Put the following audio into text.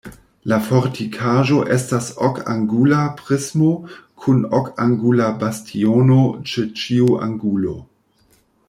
La fortikaĵo estas okangula prismo kun okangula bastiono ĉe ĉiu angulo.